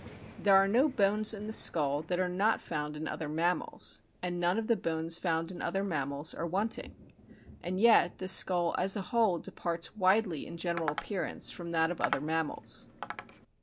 There are no bones in the skull that are not found in other mammals, and none of the bones found in other mammals are wanting ; and yet the skull as a whole departs widely in general appear ance from that of other mammals.